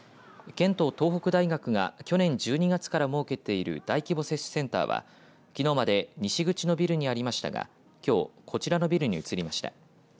県と東北大学が去年１２月から設けている大規模接種センターはきのうまで西口のビルにありましたがきょうこちらのビルに移りました。